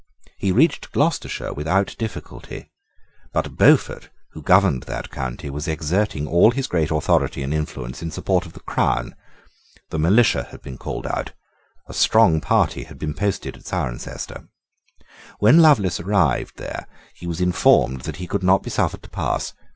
He reached Gloucestershire without difficulty. But Beaufort, who governed that county, was exerting all his great authority and influence in support of the crown. The militia had been called out. A strong party had been posted at Cirencester. When Lovelace arrived there he was informed that he could not be suffered to pass.